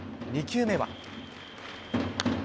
２球目は。